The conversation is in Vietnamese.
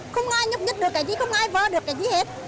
không ai nhúc nhứt được cái gì không ai vơ được cái gì hết